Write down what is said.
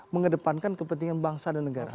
mengedepankan kepentingan bangsa dan negara